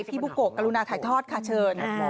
พี่บุ๊กโกะการุณาขายทอดค่ะเชิญ